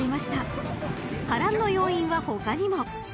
［波乱の要因は他にも］